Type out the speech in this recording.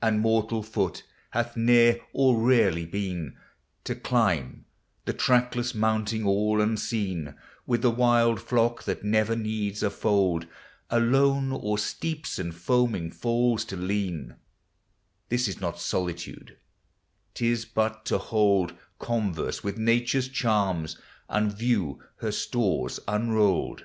And mortal foot hath ne'er or rarely been; To climb the trackless mountain all unseen, With the wild flock that never needs a fold; Alone o'er steeps and foaming falls to lean, — This is not solitude; 't is but to hold Converse with Nature's charms, and view her stores unrolled.